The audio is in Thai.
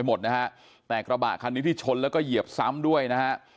หมดนะฮะแต่กระบะคันนี้ที่ชนแล้วก็เหยียบซ้ำด้วยนะฮะ